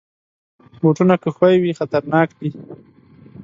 بوټونه که ښوی وي، خطرناک دي.